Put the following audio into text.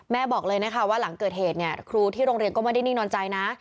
บอกเลยนะคะว่าหลังเกิดเหตุเนี่ยครูที่โรงเรียนก็ไม่ได้นิ่งนอนใจนะ